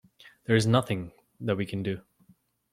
There is nothing that we can do.